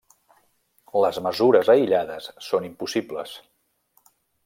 Les mesures aïllades són impossibles.